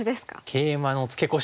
「ケイマのツケコシ」ってね